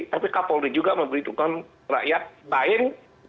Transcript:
tapi kapolri juga memberi dukungan rakyat lain